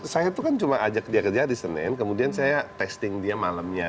saya itu kan cuma ajak dia kejaris nenek kemudian saya testing dia malam misalnya